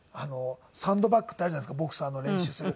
サンドバックってあるじゃないですかボクサーの練習する。